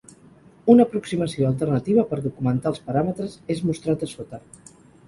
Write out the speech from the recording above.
Una aproximació alternativa per documentar els paràmetres és mostrat a sota.